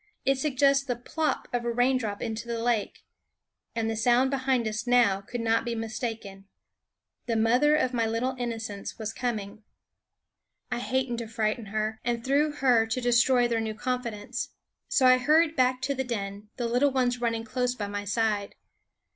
It suggests the plop of a raindrop into the lake. And the sound behind us now could not be mistaken. The mother of my little innocents was coming. I hated to frighten her, and through her to destroy their new confidence; so I hurried back to the den, the little ones running close by my side.